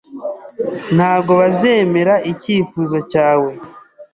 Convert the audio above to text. Ntabwo bazemera icyifuzo cyawe.